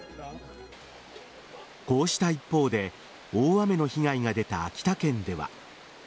こうした一方で大雨の被害が出た秋田県では。